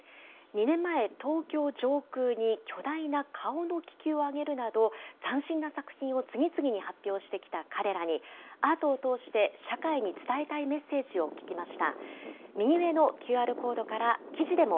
２年前、東京上空に巨大な顔の気球をあげるなど、斬新な作品を次々に発表してきた彼らに、アートを通して社会に伝えたいメッセージを聞きました。